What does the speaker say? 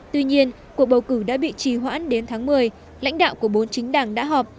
tuy nhiên cuộc bầu cử đã bị trì hoãn đến tháng một mươi lãnh đạo của bốn chính đảng đã họp